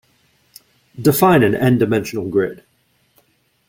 Define an "n"-dimensional grid.